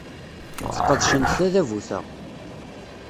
Sqedcent tadabut-a.